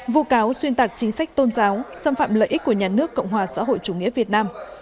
vụ cáo xuyên tạc chính sách tôn giáo xâm phạm lợi ích của nhà nước cộng hòa xã hội chủ nghĩa việt nam